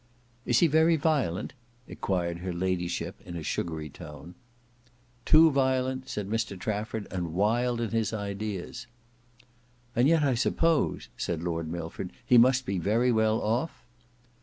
"Is he very violent?" enquired her ladyship in a sugary tone. "Too violent," said Mr Trafford, "and wild in his ideas." "And yet I suppose," said Lord Milford, "he must be very well off?"